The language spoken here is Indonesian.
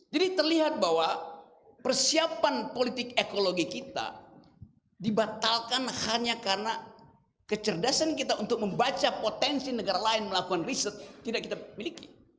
jadi terlihat bahwa persiapan politik ekologi kita dibatalkan hanya karena kecerdasan kita untuk membaca potensi negara lain melakukan riset tidak kita miliki